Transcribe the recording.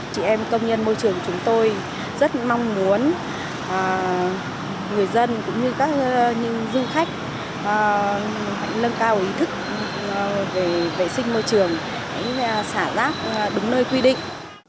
chị em công nhân môi trường chúng tôi rất mong muốn người dân cũng như các du khách hãy nâng cao ý thức về vệ sinh môi trường hãy xả rác đúng nơi quy định